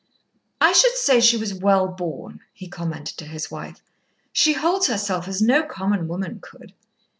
"I should say she was well born," he commented to his wife. "She holds herself as no common woman could."